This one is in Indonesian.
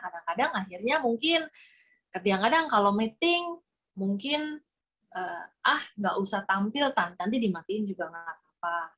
kadang kadang akhirnya mungkin kadang kadang kalau meeting mungkin ah nggak usah tampil kan nanti dimatiin juga gak apa apa